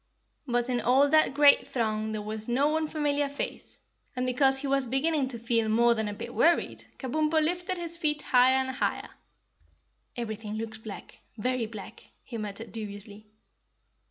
But in all that great throng there was no one familiar face, and because he was beginning to feel more than a bit worried, Kabumpo lifted his feet higher and higher. "Everything looks black, very black," he muttered dubiously.